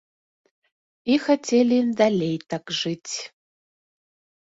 І хацелі далей так жыць.